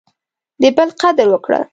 د بل قدر وکړه.